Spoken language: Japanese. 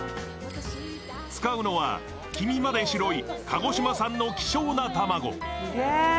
使うのは黄身まで白い鹿児島産の希少な卵。